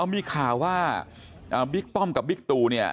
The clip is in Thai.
มีข่าวว่าบิ๊กป้อมกับบิ๊กตูเนี่ย